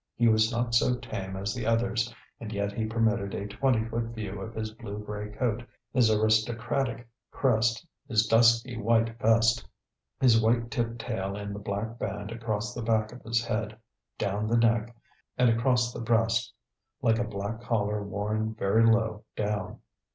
He was not so tame as the others and yet he permitted a twenty foot view of his blue gray coat, his aristocratic crest, his dusky white vest, his white tipped tail and the black band across the back of his head, down the neck and across the breast like a black collar worn very low down.